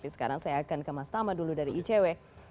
sekarang saya akan ke mas tama dulu dari icw